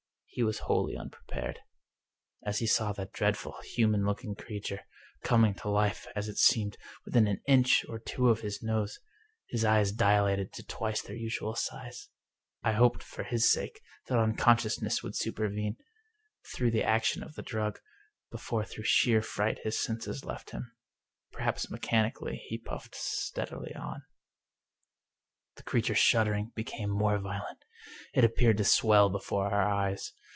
He was wholly unprepared. As he saw that dreadful, human looking creature, coming to life, as it seemed, within an inch or two of his nose, his eyes dilated to twice their usual size. I hoped, for his sake, that unconsciousness would supervene, through the action 239 English Mystery Stories of the drug, before through sheer fright his senses left him. Perhaps mechanically he puffed steadily on. The creature's shuddering became more violent. It ap peared to swell before our eyes.